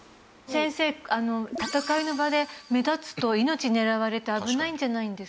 先生あの戦いの場で目立つと命狙われて危ないんじゃないんですか？